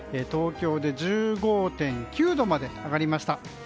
東京で１５．９度まで上がりました。